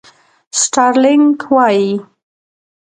سټارلېنک وایي.